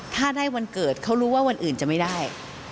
ถ้าได้วันเกิดเขารู้ว่าวันอื่นจะไม่ได้